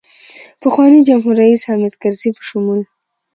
پخواني جمهورریس حامدکرزي په شمول.